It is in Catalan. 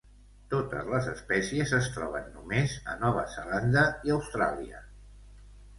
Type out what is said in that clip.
Totes les espècies es troben només a Nova Zelanda i Austràlia.